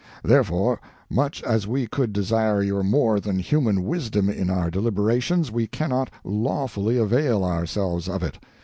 Therefore, much as we could desire your more than human wisdom in our deliberations, we cannot lawfully avail ourselves of it.